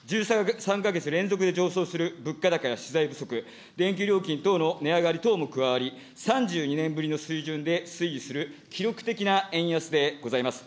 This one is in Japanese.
１３か月連続で上昇する物価高や資材不足、電気料金等の値上がり等も加わり、３２年ぶりの水準で推移する記録的な円安でございます。